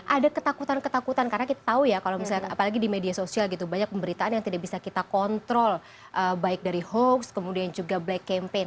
ada ketakutan ketakutan karena kita tahu ya kalau misalnya apalagi di media sosial gitu banyak pemberitaan yang tidak bisa kita kontrol baik dari hoax kemudian juga black campaign